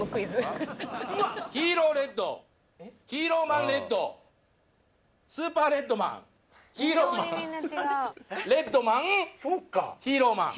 「ヒーローレッド」「ヒーローマンレッド」「スーパーレッドマン」「ヒーローマン」「レッドマン」「ヒーローマン」